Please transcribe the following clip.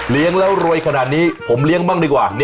แล้วรวยขนาดนี้ผมเลี้ยงบ้างดีกว่า